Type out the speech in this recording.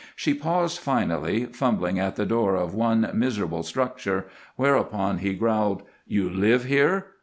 She paused finally, fumbling at the door of one miserable structure, whereupon he growled: "You live here?